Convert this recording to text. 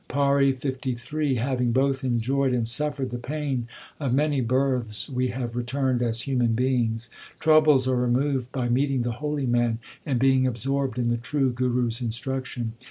PAURI LIII Having both enjoyed and suffered the pain of many births, we have returned as human beings. Troubles are removed by meeting the holy man, and being absorbed in the true Guru s instruction.